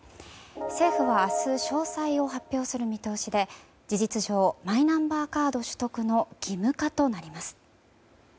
政府は明日詳細を発表する見通しで事実上マイナンバーカード取得の義務化となります。